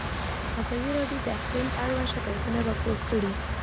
ازادي راډیو د اقلیم اړوند شکایتونه راپور کړي.